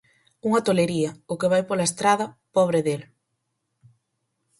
Unha tolería, o que vai pola estrada, pobre del.